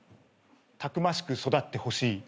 たくましく育ってほしい。